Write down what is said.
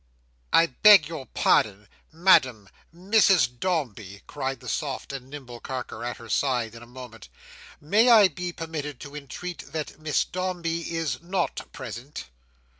"I beg your pardon! Madam! Mrs Dombey!" cried the soft and nimble Carker, at her side in a moment. "May I be permitted to entreat that Miss Dombey is not present?"